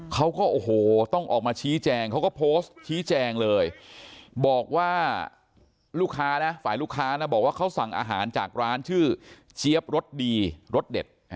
เขาก็โอ้โหต้องออกมาชี้แจงเขาก็โพสต์ชี้แจงเลยบอกว่าลูกค้านะฝ่ายลูกค้านะบอกว่าเขาสั่งอาหารจากร้านชื่อเจี๊ยบรสดีรสเด็ด